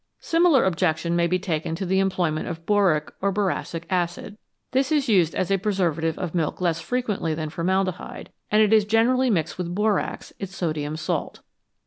Similar objection may be taken to the employment of boric (or boracic) acid. This is used as a preservative of milk less frequently than formaldehyde, and it is generally mixed with borax, its sodium salt.